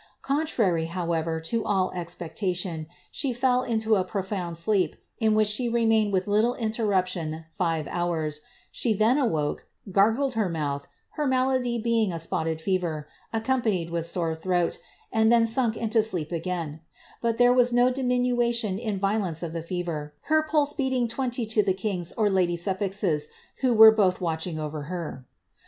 Contrary, however, to all expectation, she fell into a pro found sleep, in which she remained with little interruption five hours ; she then awoke, gargled her mouth, her malady being a spotted fever, necooipanied with sore throat, and then sunk to sleep again ; but there was no diminution in the violence of the fever, her pulse beating twenty to the king^s or lady Suffolk's, who were both watching over her.